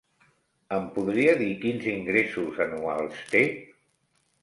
Em podria dir quins ingressos anuals té?